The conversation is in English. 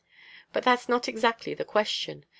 But that's not exactly the question.